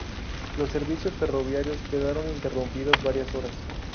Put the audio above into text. Los servicios ferroviarios quedaron interrumpidos varias horas.